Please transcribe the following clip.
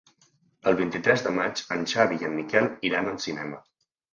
El vint-i-tres de maig en Xavi i en Miquel iran al cinema.